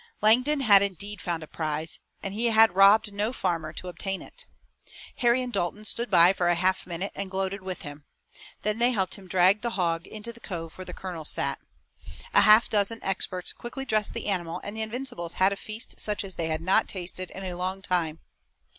Langdon had indeed found a prize, and he had robbed no farmer to obtain it. Harry and Dalton stood by for a half minute and gloated with him. Then they helped him drag the hog into the cove, where the colonels sat. A half dozen experts quickly dressed the animal, and the Invincibles had a feast such as they had not tasted in a long time.